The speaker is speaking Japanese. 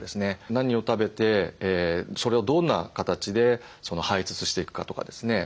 何を食べてそれをどんな形で排せつしていくかとかですね